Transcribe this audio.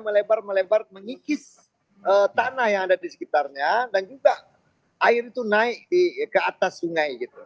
melebar melempar mengikis tanah yang ada di sekitarnya dan juga air itu naik ke atas sungai gitu